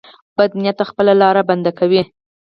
بد نیت خپله لار بنده کوي.